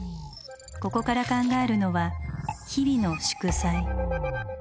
ここから考えるのは日々の祝祭。